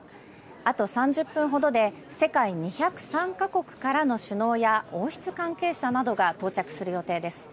あと３０分ほどで、世界２０３か国からの首脳や、王室関係者などが到着する予定です。